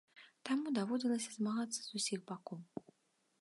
Таму даводзіцца змагацца з усіх бакоў.